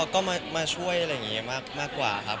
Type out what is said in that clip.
ก็มาช่วยอะไรอย่างนี้มากกว่าครับ